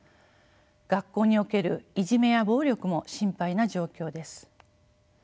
学校におけるいじめや暴力も心配な状況です。